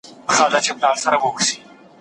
د عبدالباري جهاني ترجمه